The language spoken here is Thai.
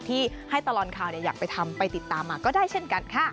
ที่ให้ตลอดข่าวอยากไปทำไปติดตามมาก็ได้เช่นกันค่ะ